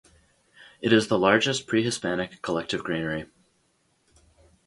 It is the largest pre-Hispanic collective granary.